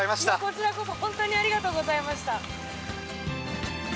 こちらこそ本当にありがとうございました。